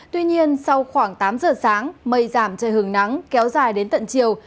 tuy nhiên sau khoảng tám giờ sáng mây giảm trời hứng nắng kéo dài đến tận chiều